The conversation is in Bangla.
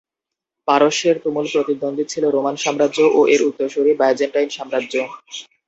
পারস্যের তুমুল প্রতিদ্বন্দ্বী ছিল রোমান সাম্রাজ্য ও এর উত্তরসূরি বাইজেন্টাইন সাম্রাজ্য।